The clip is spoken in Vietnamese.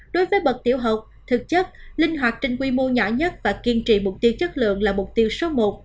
đối với bậc tiểu học thực chất linh hoạt trên quy mô nhỏ nhất và kiên trì mục tiêu chất lượng là mục tiêu số một